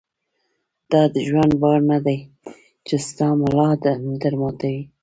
دا د ژوند بار نه دی چې ستا ملا در ماتوي.